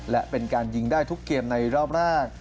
และเป็นการยิงได้ทุกเกมในรอบแรก